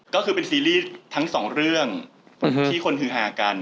ก็คือเป็นซีรีส์ทั้งสองเรื่องที่คนฮือฮากัน